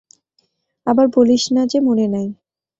আবার বলিস না যে মনে নাই।